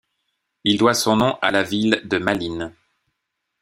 Il doit son nom à la ville de Malines.